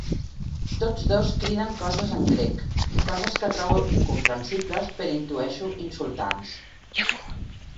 Tots dos criden coses en grec, coses que trobo incomprensibles però intueixo insultants.